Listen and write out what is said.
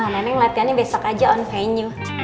nenek latihannya besok aja on venue